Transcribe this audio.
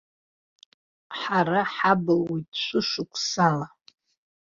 Ҳара ҳабылуеит шәышықәсала.